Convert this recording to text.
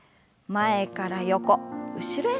前から横後ろへ。